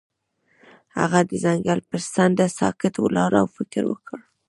هغه د ځنګل پر څنډه ساکت ولاړ او فکر وکړ.